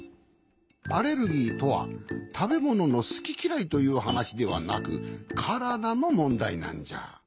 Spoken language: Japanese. アレルギーとはたべもののすききらいというはなしではなくからだのもんだいなんじゃ。